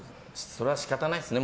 それは仕方ないですね。